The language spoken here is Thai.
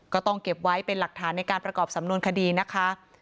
ก็ต้องเก็บไว้เป็นหลักฐานในการประกอบสำนวนคดีนะคะ